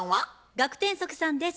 学天即さんです。